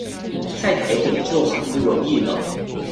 在台北就很不容易了